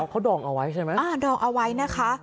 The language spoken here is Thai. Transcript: เขาดองเอาไว้ใช่ไหมดองเอาไว้นะคะ